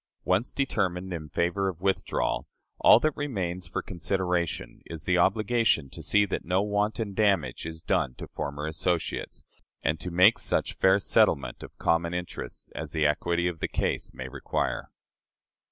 Once determined in favor of withdrawal, all that remains for consideration is the obligation to see that no wanton damage is done to former associates, and to make such fair settlement of common interests as the equity of the case may require.